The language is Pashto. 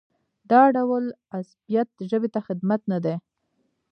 دا ډول عصبیت ژبې ته خدمت نه دی.